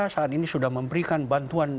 saat ini sudah memberikan bantuan